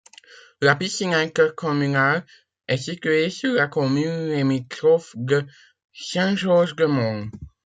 La piscine intercommunale est située sur la commune limitrophe de Saint-Georges-de-Mons.